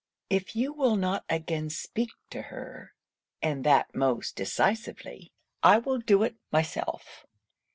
If you will not again speak to her, and that most decisively, I will do it myself!